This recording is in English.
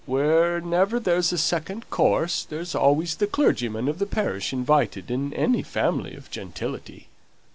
Whenever there's a second course, there's always the clergyman of the parish invited in any family of gentility."